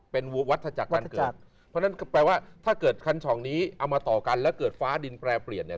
เพราะฉะนั้นแปลว่าถ้าเกิดคัญชองนี้เอามาต่อกันแล้วเกิดฟ้าดินแปรเปลี่ยนเนี่ย